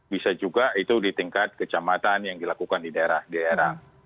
bisa juga itu di tingkat kecamatan yang dilakukan di daerah daerah